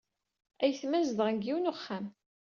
Ayetma zedɣen deg yiwen uxxam.